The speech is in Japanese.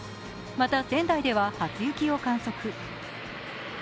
また仙台では初雪を観測。